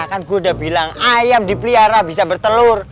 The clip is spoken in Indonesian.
kan gue udah bilang ayam dipelihara bisa bertelur